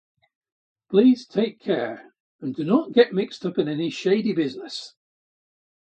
Please take care and do not get mixed up in any shady business.